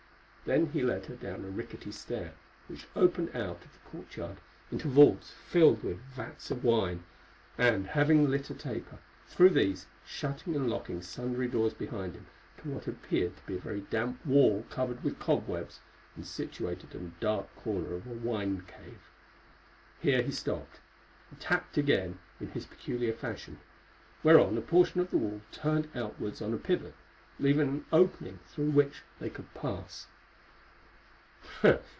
Then he led her down a rickety stair which opened out of the courtyard into vaults filled with vats of wine, and, having lit a taper, through these, shutting and locking sundry doors behind him, to what appeared to be a very damp wall covered with cobwebs, and situated in a dark corner of a wine cave. Here he stopped and tapped again in his peculiar fashion, whereon a portion of the wall turned outwards on a pivot, leaving an opening through which they could pass.